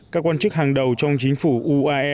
các quan chức hàng đầu trong chính phủ uae